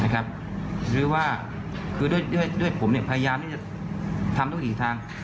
หรือว่าคือด้วยผมพยายามทำต้องกี่ทาง